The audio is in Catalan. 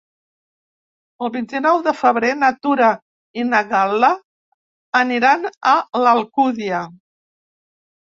El vint-i-nou de febrer na Tura i na Gal·la aniran a l'Alcúdia.